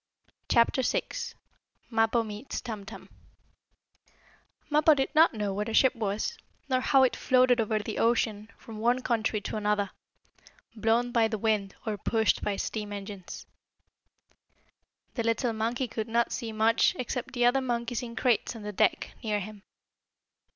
CHAPTER VI MAPPO MEETS TUM TUM Mappo did not know what a ship was, nor how it floated over the ocean from one country to another, blown by the wind or pushed by steam engines. The little monkey could not see much except the other monkeys in crates on the deck near him.